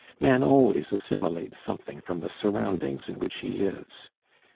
Man always assimilates something from the surroundings in which he lives.